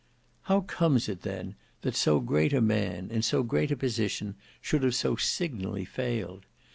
How comes it then that so great a man, in so great a position, should have so signally failed?